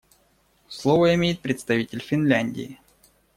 Слово имеет представитель Финляндии.